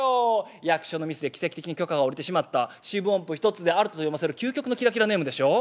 役所のミスで奇跡的に許可が下りてしまった四分音符１つでアルトと読ませる究極のキラキラネームでしょ？